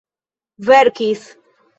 verkis